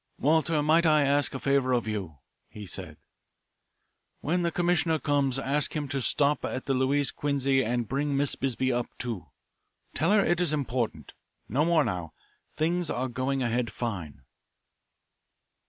"Walter, might I ask a favour of you?" he said. "When the commissioner comes ask him to stop at the Louis Quinze and bring Miss Bisbee up, too. Tell her it is important. No more now. Things are going ahead fine."